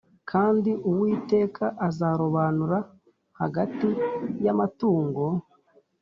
Kandi Uwiteka azarobanura hagati y amatungo